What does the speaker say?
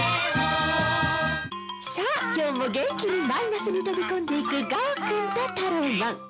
さあ今日も元気にマイナスに飛び込んでいくガオくんとタローマン！